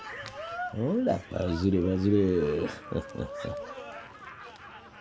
ほらバズれバズれ。